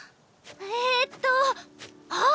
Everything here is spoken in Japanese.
えーっとあ！